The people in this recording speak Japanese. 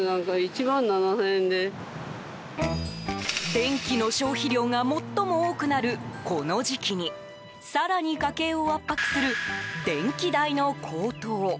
電気の消費量が最も多くなるこの時期に更に、家計を圧迫する電気代の高騰。